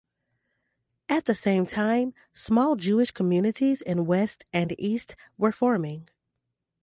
At the same time, small Jewish communities in West and East were forming.